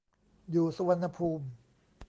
อยู่สุวรรณภูมิ